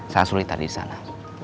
sangat sulit tadi disana